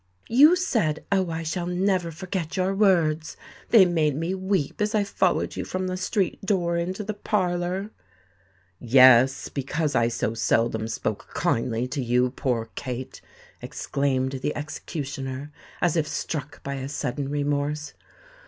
You said—oh! I shall never forget your words—they made me weep as I followed you from the street door into the parlour——" "Yes—because I so seldom spoke kindly to you, poor Kate," exclaimed the executioner, as if struck by a sudden remorse.